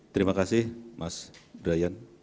terima kasih mas brian